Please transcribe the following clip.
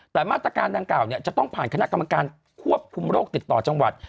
แต่มาตรการดังกล่าวจะต้องผ่านคณะกรรมการควบคุมโรคติดต่อจังหวัด